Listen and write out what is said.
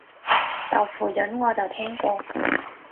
豆腐膶我就聽過